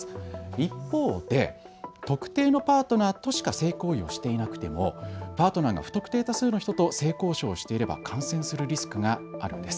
一方で、特定のパートナーとしか性行為をしていなくてもパートナーが不特定多数の人と性交渉をしていれば感染するリスクがあります。